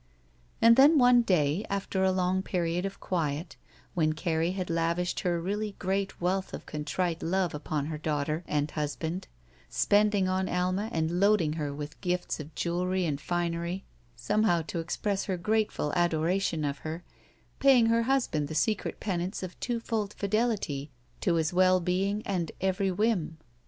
And then one day, after a long period of quiet, when Carrie had lavished her really great wealth of contrite love upon her daughter and husband, spending on Alma and loading her with gifts of jewelry and finery, somehow to express her grateful 49 SHE WALKS IN BEAUTY adoration of her, paying her husband the secret penance of twofold fidelity to his well being and every whim.